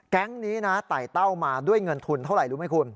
แก๊งนี้นะไต่เต้ามาด้วยเงินทุนเท่าไหร่รู้ไหมคุณ